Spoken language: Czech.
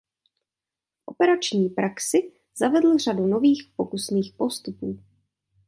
V operační praxi zavedl řadu nových pokusných postupů.